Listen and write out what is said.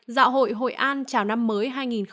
dạo hội hội an chào năm mới hai nghìn hai mươi hai